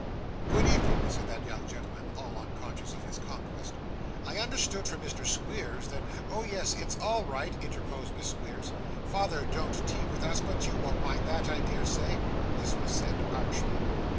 'Good evening,' said that young gentleman, all unconscious of his conquest. 'I understood from Mr. Squeers that ' 'Oh yes; it's all right,' interposed Miss Squeers. 'Father don't tea with us, but you won't mind that, I dare say.' (This was said archly.)